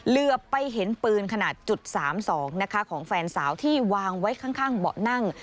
เหลือไปเห็นปืนขนาด๓๒นะคะของแฟนสาวที่วางไว้ข้างเบาะนั่ง